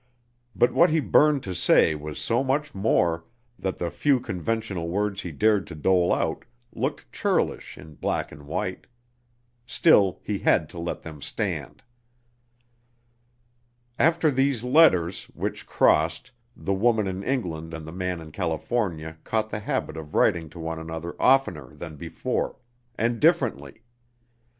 But what he burned to say was so much more, that the few conventional words he dared to dole out looked churlish in black and white. Still, he had to let them stand. After these letters, which crossed, the woman in England and the man in California caught the habit of writing to one another oftener than before and differently.